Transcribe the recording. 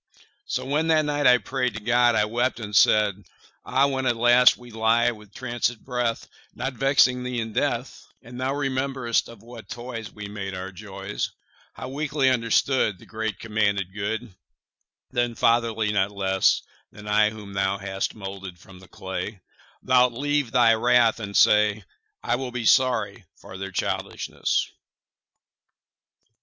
So when that night I pray'd To God, I wept, and said: Ah, when at last we lie with trancèd breath, Not vexing Thee in death, 25 And Thou rememberest of what toys We made our joys, How weakly understood Thy great commanded good, Then, fatherly not less 30 Than I whom Thou hast moulded from the clay, Thou'lt leave Thy wrath, and say, 'I will be sorry for their childishness.